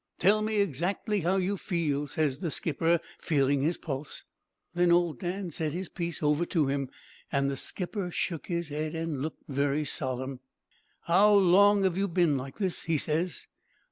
"Tell me exactly how you feel,' ses the skipper, feeling his pulse. "Then old Dan said his piece over to him, an' the skipper shook his head an' looked very solemn. "'How long have you been like this?' he ses.